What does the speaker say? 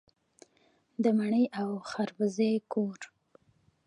د مڼې او خربوزې کور.